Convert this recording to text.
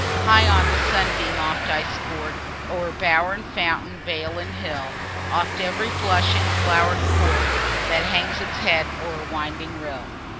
High on a sunbeam oft I sport O'er bower and fountain, vale and hill; Oft ev'ry blushing flow'ret court, That hangs its head o'er winding rill.